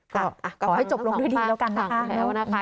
ขอให้จบลงด้วยดีแล้วกันนะคะ